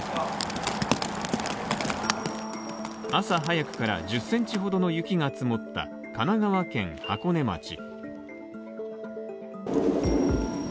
朝早くから１０ｃｍほどの雪が積もった神奈川県箱根町。